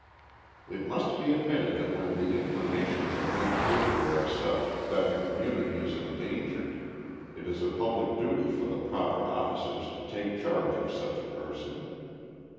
It must be admitted that when the inclinations of an individual are such that the community is endangered it is a public duty for the proper officers to take charge of such a person.